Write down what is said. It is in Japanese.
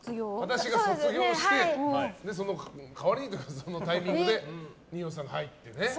私が卒業してその代わりにというかそのタイミングで二葉さんが入ってね。